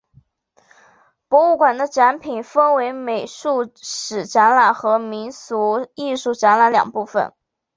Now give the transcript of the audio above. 博物馆的展品分为美术史展览和民俗艺术展览两个部分。